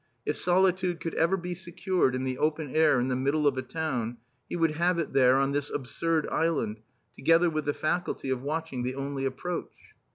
If solitude could ever be secured in the open air in the middle of a town, he would have it there on this absurd island, together with the faculty of watching the only approach.